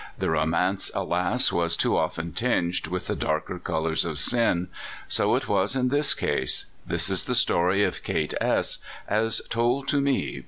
The romance, alas! was too often tinged with the darker colors of sin. So it was in this case. This is the story of Kate S , as told to me.